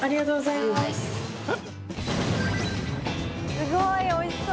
すごいおいしそう！